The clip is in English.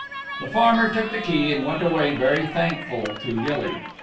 The farmer took the key and went away very thankful to Gilly.